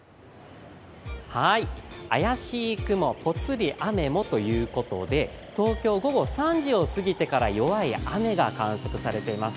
怪しい雲ポツリ雨もということで東京、午後３時を過ぎてから弱い雨が観測されています。